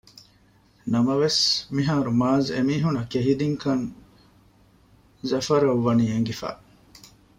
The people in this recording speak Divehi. ނަމަވެސް މިހާރު މާޒް އެމީހުންނަށް ކެހި ދިންކަން ޒަފަރުއަށް ވާނީ އެނގިފަ